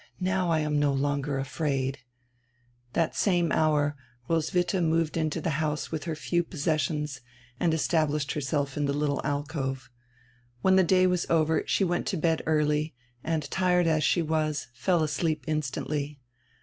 Now I am no longer afraid * That same hour Roswitha moved into die house with her few possessions and established herself in die little alcove. When the day was over she went to bed early and, tired as she was, fell asleep instantly.